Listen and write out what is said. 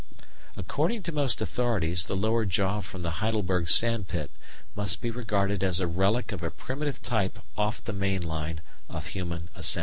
According to most authorities the lower jaw from the Heidelberg sand pit must be regarded as a relic of a primitive type off the main line of human ascent.